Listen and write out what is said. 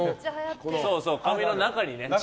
髪の中にね。